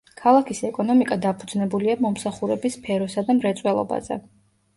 ქალაქის ეკონომიკა დაფუძნებულია მომსახურების სფეროსა და მრეწველობაზე.